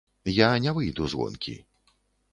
Я не выйду з гонкі.